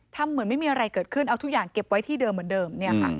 เหมือนไม่มีอะไรเกิดขึ้นเอาทุกอย่างเก็บไว้ที่เดิมเหมือนเดิม